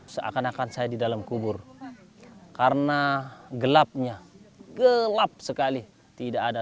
seakan akan saya di dalam kubur karena gelapnya gelap sekali tidak ada